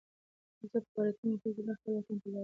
زه به په راتلونکي اختر کې بیا خپل وطن ته لاړ شم.